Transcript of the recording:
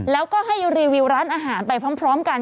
แล้วก็ให้รีวิวร้านอาหารไปพร้อมกัน